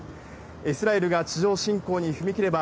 イスラエルが地上侵攻に踏み切れば、